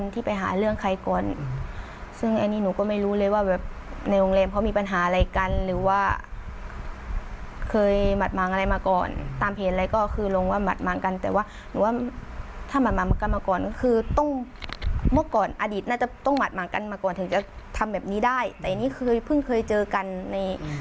แต่พึ่งเคยเจอกันที่ทำงานมันก็ไม่ใช่